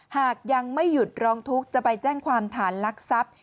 หากยังไม่หยุดร้องทุกข์จะไปแจ้งความฐานลักทรัพย์